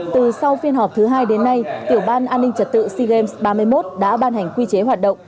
từ sau phiên họp thứ hai đến nay tiểu ban an ninh trật tự sea games ba mươi một đã ban hành quy chế hoạt động